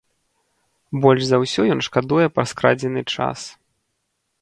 Больш за ўсё ён шкадуе пра скрадзены час.